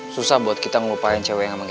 susah buat kita ngelupain cewek yang sama gue